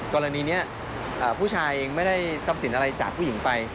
กรณีนี้ผู้ชายเองไม่ได้ทรัพย์สินอะไรจากผู้หญิงไป